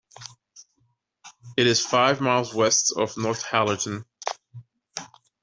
It is five miles west of Northallerton.